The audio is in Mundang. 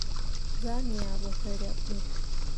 Zah ŋiah ɓo hǝraɓ ɓe.